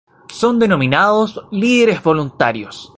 Son denominados líderes Voluntarios.